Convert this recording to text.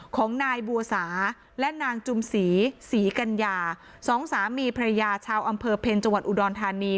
ของนายบัวสาและนางจุมศรีศรีกัญญาสองสามีภรรยาชาวอำเภอเพ็ญจังหวัดอุดรธานี